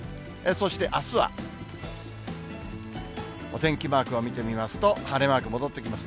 そしてあすは、お天気マークを見てみますと、晴れマーク戻ってきます。